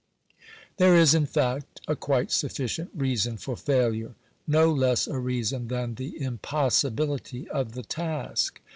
There is, in fact, a quite sufficient reason for failure — no less a reason than the impossibility of the task.